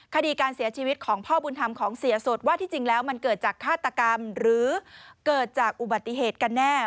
คดีการเสียชีวิตของพ่อบุญธรรมของเสียสดว่าที่จริงแล้วมันเกิดจากฆาตกรรมหรือเกิดจากอุบัติเหตุกันแน่